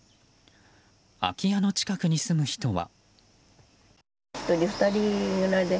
空き家の近くに住む人は。